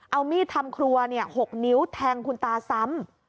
เอามีดทำครัว๖นิ้วแทงคุณตาซ้ำ